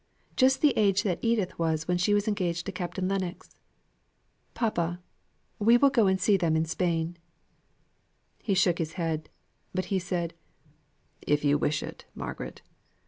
Just the age that Edith was when she was engaged to Captain Lennox. Papa, we will go and see them in Spain." He shook his head. But he said, "If you wish it Margaret.